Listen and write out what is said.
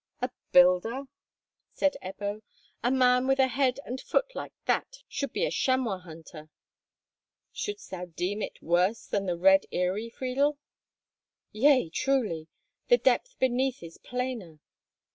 "A builder!" said Ebbo; "a man with a head and foot like that should be a chamois hunter! Shouldst thou deem it worse than the Red Eyrie, Friedel?" "Yea, truly! The depth beneath is plainer!